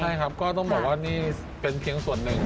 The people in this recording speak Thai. ใช่ครับก็ต้องบอกว่านี่เป็นเพียงส่วนหนึ่ง